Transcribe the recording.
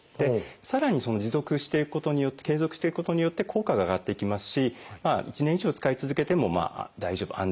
さらに持続していくことによって継続していくことによって効果が上がっていきますし１年以上使い続けても大丈夫安全といわれてますね。